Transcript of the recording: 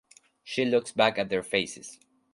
She looks back at their faces.